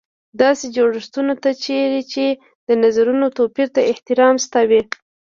داسې جوړښت ته چېرې چې د نظرونو توپیر ته احترام شته وي.